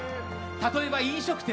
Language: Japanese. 例えば、飲食店。